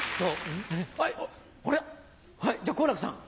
あれじゃあ好楽さん。